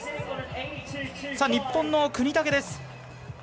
日本の國武です。